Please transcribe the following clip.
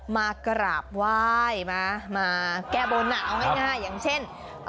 มากราบไหว้มาแก้บนอ่ะเอาง่ายอย่างเช่น